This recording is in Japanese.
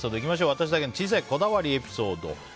私だけの小さいこだわりエピソード。